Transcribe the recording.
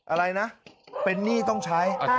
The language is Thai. อะไรนะเป็นหนี้ต้องใช้